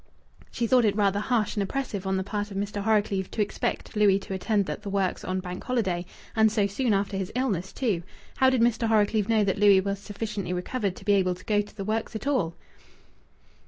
She thought it rather harsh and oppressive on the part of Mr. Horrocleave to expect Louis to attend at the works on Bank Holiday and so soon after his illness, too! How did Mr. Horrocleave know that Louis was sufficiently recovered to be able to go to the works at all?